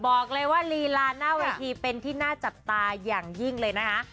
บอกเลยว่าลีลาหน้าเวทีเป็นที่น่าจับตาอย่างยิ่งเลยนะคะ